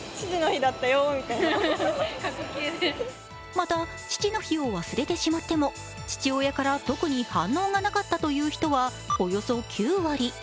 また、父の日を忘れてしまっても父親から特に反応がなかったという人は、およそ９割。